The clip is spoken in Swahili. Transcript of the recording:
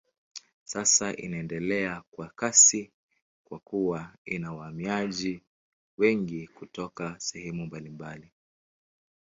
Sasa inaendelea kwa kasi kwa kuwa ina wahamiaji wengi kutoka sehemu mbalimbali.